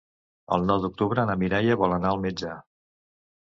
El nou d'octubre na Mireia vol anar al metge.